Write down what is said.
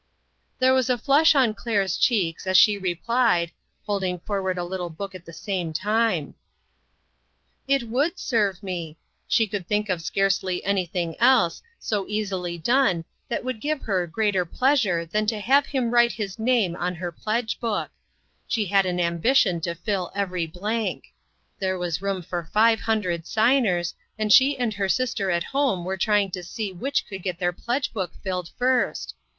There was a flush on Claire's cheeks as she replied, holding forward a little book at the same time. It would serve me. She could think of scarcely anything else, so easily done, that would give her greater pleasure than to have him write his name on her pledgebook ; she had an ambition to fill every blank. There SPREADING NETS. 26l was room for five hundred signers, and she and her sister at home were trying to see which could get their pledge book filled first.